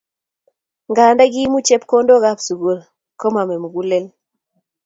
Nganda kiimu chepkondokab sukul komame mugulel